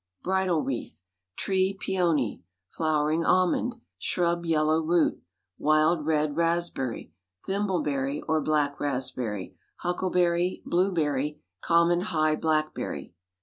Bridal wreath. Tree peony. Flowering almond. Shrub yellow root. Wild red raspberry. Thimble berry, or black raspberry. Huckleberry. Blueberry. Common high blackberry.